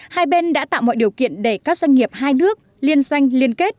hai bên đã tạo mọi điều kiện để các doanh nghiệp hai nước liên doanh liên kết